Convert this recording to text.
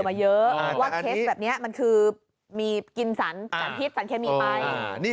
เจอมาเยอะว่าเคสแบบนี้มันคือมีกินสันจัดพิษสันเคมีไฟ